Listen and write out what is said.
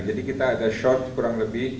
kita ada short kurang lebih